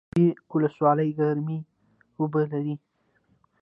د اوبې ولسوالۍ ګرمې اوبه لري